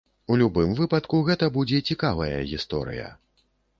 У любым выпадку, гэта будзе цікавая гісторыя.